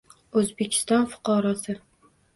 O'zbekiston fuqarosi